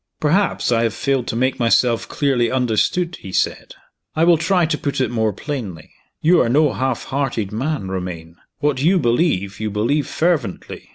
"Perhaps I have failed to make myself clearly understood," he said. "I will try to put it more plainly. You are no half hearted man, Romayne. What you believe, you believe fervently.